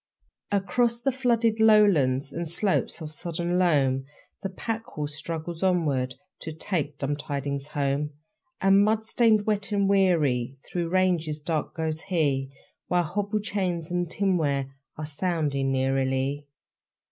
Across the flooded lowlands And slopes of sodden loam The pack horse struggles onward, To take dumb tidings home. And mud stained, wet, and weary, Through ranges dark goes he; While hobble chains and tinware Are sounding eerily. ....